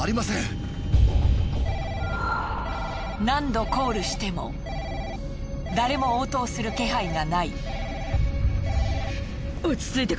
何度コールしても誰も応答する気配がない。